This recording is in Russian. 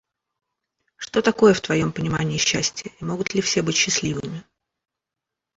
Что такое в твоем понимании счастье и могут ли все быть счастливыми?